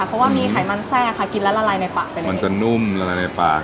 เพราะว่ามีไขมันแทรกค่ะกินแล้วละลายในปากเป็นมันจะนุ่มละลายในปาก